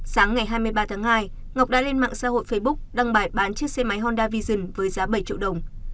sáng ngày hai mươi ba tháng hai ngọc đã lên mạng xã hội facebook đăng bài bán chiếc xe máy honda vision với giá bảy triệu đồng